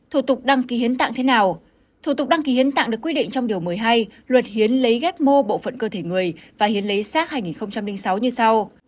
thủ tục đăng ký hiến tạng được quy định trong điều một mươi hai luật hiến lấy ghép mô bộ phận cơ thể người và hiến lấy sát hai nghìn sáu như sau